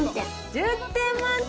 １０点満点。